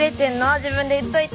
自分で言っといて？